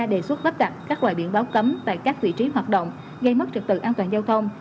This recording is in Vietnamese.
đề xuất lắp đặt các loại biển báo cấm tại các vị trí hoạt động gây mất trực tự an toàn giao thông